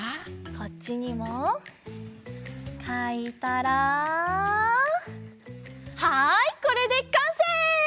こっちにもかいたらはいこれでかんせい！